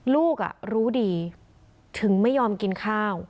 ลูกรู้ดีถึงไม่ยอมกินข้าว